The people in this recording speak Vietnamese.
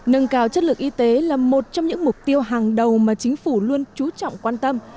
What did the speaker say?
nâng cao chất lượng y tế là một trong những mục tiêu hàng đầu mà chính phủ luôn trú trọng quan tâm